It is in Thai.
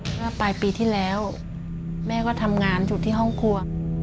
เมื่อปลายปีที่แล้วแม่ก็ทำงานอยู่ที่ห้องครัว